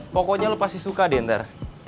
pokoknya lo pasti suka deh ntar